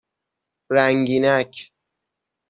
رنگینک